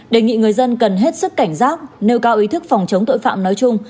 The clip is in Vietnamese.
đề nghị người dân cần hết sức cảnh giác nêu cao ý thức phòng chống tội phạm nói chung